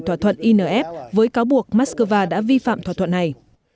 thỏa thuận inf với cáo buộc moscow đã vi phạm thỏa thuận này